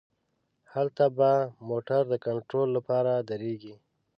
هلته به موټر د کنترول له پاره دریږي.